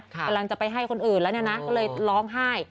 กำลังจะไปให้คนอื่นแล้วเนี่ยนะก็เลยร้องไห้